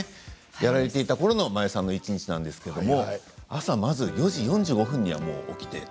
やられていたころの真矢さんの一日ですが朝４時４５分には起きて。